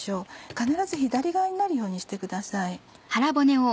必ず左側になるようにしてください。